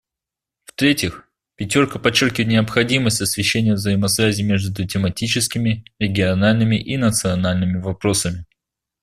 В-третьих, «пятерка» подчеркивает необходимость освещения взаимосвязи между тематическими, региональными и национальными вопросами.